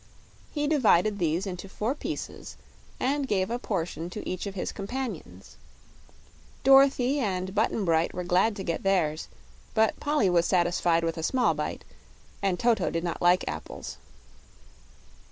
He divided these into four pieces and gave a portion to each of his companions. Dorothy and Button Bright were glad to get theirs; but Polly was satisfied with a small bite, and Toto did not like apples.